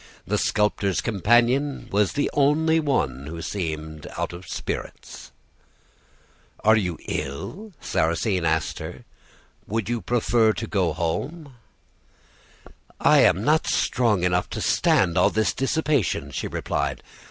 The sculptor's companion was the only one who seemed out of spirits. "'Are you ill?' Sarrasine asked her. 'Would you prefer to go home?' "'I am not strong enough to stand all this dissipation,' she replied.